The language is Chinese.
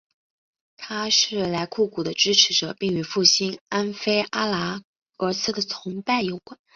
他是莱库古的支持者并与复兴安菲阿拉俄斯的崇拜有关。